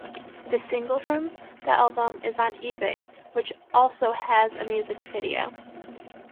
The single from the album is "On eBay", which also has a music video.